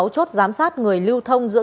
chốt giám sát người lưu thông giữa